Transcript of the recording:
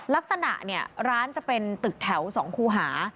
ลักษณะเนี่ยร้านจะเป็นตึกแถว๒คูหา